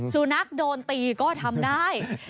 สุนัขโดนตีก็ทำได้